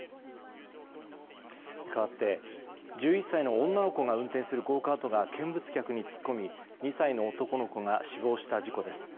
かわって１１歳の女の子が運転するゴーカートが見物客に突っ込み２歳の男の子が死亡した事故です。